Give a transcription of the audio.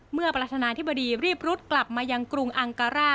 เมื่อประธานาธิบดีรีบรุดกลับมายังกรุงอังการ่า